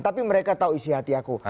tapi mereka tahu isi hati aku